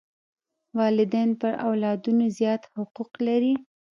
والدین پر اولادونو زیات حقوق لري.